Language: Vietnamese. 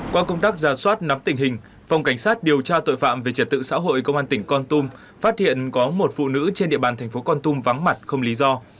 qua công tác giả soát nắm tình hình phòng cảnh sát điều tra tội phạm về trật tự xã hội công an tỉnh con tum phát hiện có một phụ nữ trên địa bàn thành phố con tum vắng mặt không lý do